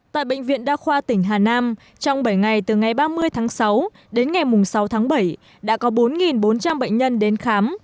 tại bệnh viện đa khoa tỉnh hà nam trong bảy ngày từ ngày ba mươi tháng sáu đến ngày sáu tháng bảy đã có bốn bốn trăm linh bệnh nhân đến khám